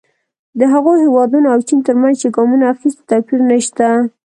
د هغو هېوادونو او چین ترمنځ چې ګامونه اخیستي توپیر نه شته.